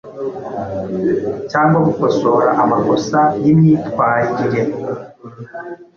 cyangwa gukosora amakosa y’imyitwaririre